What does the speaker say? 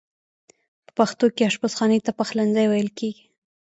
په پښتو کې آشپز خانې ته پخلنځی ویل کیږی.